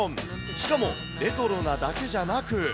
しかもレトロなだけじゃなく。